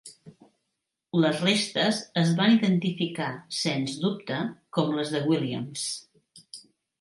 Les restes es van identificar sense dubte com les de Williams.